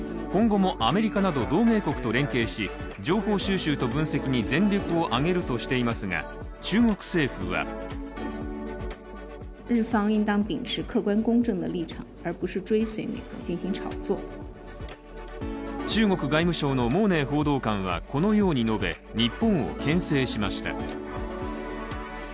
今後もアメリカなど同盟国と連携し情報収集と分析に全力を挙げるとしていますが、中国政府は中国外務省の毛寧報道官はこのように述べ、日本をけん制しました。